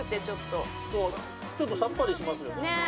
ちょっとさっぱりしますよね。